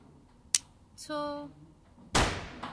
臊